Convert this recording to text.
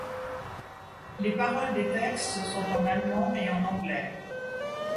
Les paroles des textes sont en allemand et en anglais.